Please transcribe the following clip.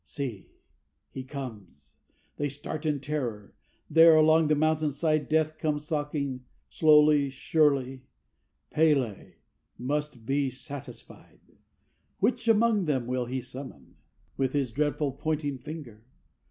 See! He comes! They start in terror. There, along the mountain side, Death comes stalking, slowly, surely, P├®l├® must be satisfied. Which among them will he summon, with his dreadful pointing finger?